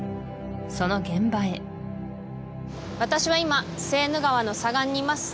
その現場へ私は今セーヌ川の左岸にいます